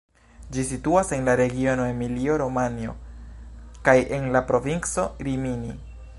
Ĝi situas en la regiono Emilio-Romanjo kaj en la provinco Rimini.